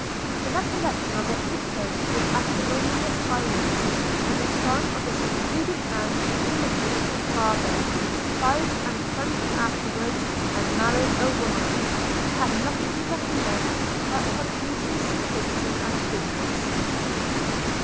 – The recollection of it returned with acrimonious violence, when the son of this imprudent man imitated his father, five and twenty afterwards and married a woman, who had nothing to recommend her but beauty, simplicity, and goodness.